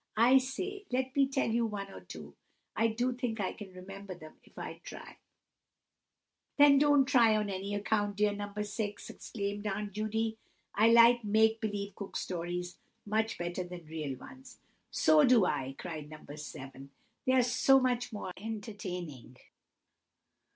I say, let me tell you one or two—I do think I can remember them, if I try." "Then don't try on any account, dear No. 6," exclaimed Aunt Judy. "I like make believe Cook Stories much better than real ones." "So do I!" cried No. 7, "they're so much the more entertaining."